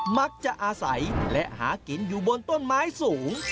มักจะอาศัยและหากินอยู่บนต้นไม้สูง